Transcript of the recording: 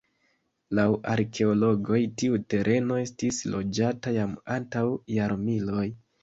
Laŭ arkeologoj tiu tereno estis loĝata jam antaŭ jarmiloj.